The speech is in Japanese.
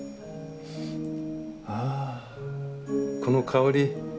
あぁこの香り。